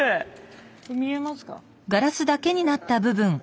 見えますか？